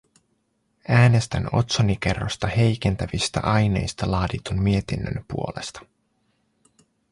Äänestän otsonikerrosta heikentävistä aineista laaditun mietinnön puolesta.